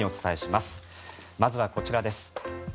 まずはこちらです。